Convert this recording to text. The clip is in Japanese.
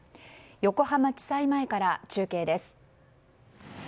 横浜地裁前から中継です。